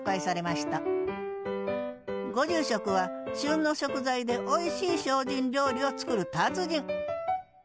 ご住職は旬の食材でおいしい精進料理を作る達人